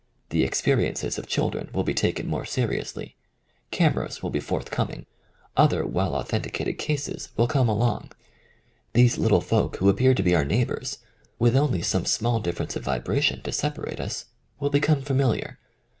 The experiences of children will be taken more seriously. Cameras will be forthcoming. Other well authenticated cases will come along. These little folk who appear to be our neighbours, with only some small difference of vibration to separate us, will become familiar.